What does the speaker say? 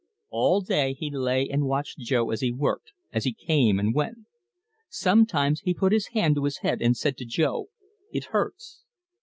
All day he lay and watched Jo as he worked, as he came and went. Sometimes he put his hand to his head and said to Jo: "It hurts."